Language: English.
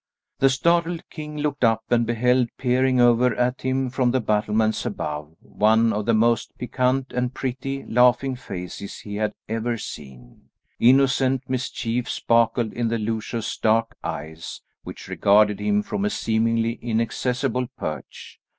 The startled king looked up and beheld, peering over at him from the battlements above, one of the most piquant and pretty, laughing faces he had ever seen. Innocent mischief sparkled in the luscious dark eyes, which regarded him from a seemingly inaccessible perch.